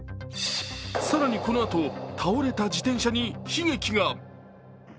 更にこのあと、倒れた自転車に悲劇が。